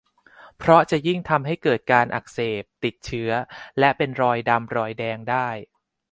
เพราะจะยิ่งทำให้เกิดการอักเสบ ติดเชื้อ และเป็นรอยดำรอยแดงได้